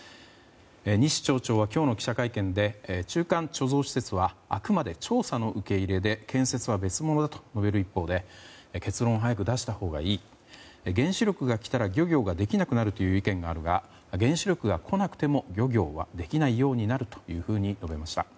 西町長は今日の記者会見で中間貯蔵施設はあくまで調査の受け入れで建設は別物だと述べる一方で結論を早く出したほうがいい原子力が来たら漁業ができなくなるという意見があるが原子力が来なくても漁業はできないようになると述べました。